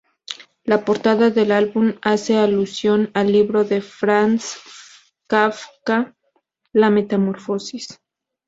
La portada del álbum hace alusión al libro de Franz Kafka, "La metamorfosis".